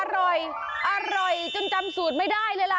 อร่อยอร่อยจนจำสูตรไม่ได้เลยล่ะ